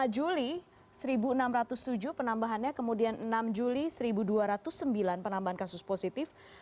dua puluh juli seribu enam ratus tujuh penambahannya kemudian enam juli seribu dua ratus sembilan penambahan kasus positif